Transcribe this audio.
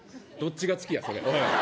どっちが好きや。